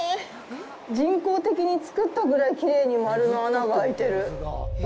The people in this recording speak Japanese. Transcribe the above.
人工的に作ったぐらいきれいに丸の穴が空いてる。